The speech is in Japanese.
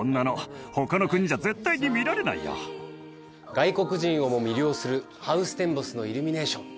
外国人をも魅了するハウステンボスのイルミネーション。